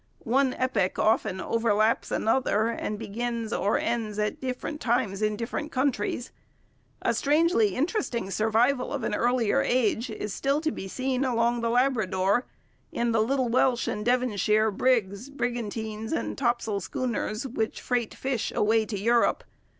One epoch often overlaps another and begins or ends at different times in different countries. A strangely interesting survival of an earlier age is still to be seen along the Labrador, in the little Welsh and Devonshire brigs, brigantines, and topsail schooners which freight fish east away to Europe.